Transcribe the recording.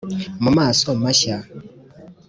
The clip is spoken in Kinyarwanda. mu maso mashya